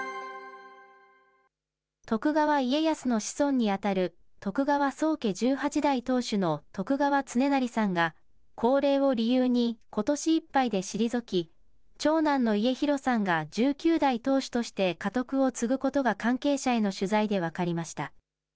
徳川家康の子孫に当たる徳川宗家１８代当主の徳川恒孝さんが、高齢を理由にことしいっぱいで退き、長男の家広さんが１９代当主として家督を継ぐことが関係者への取材で分かりました。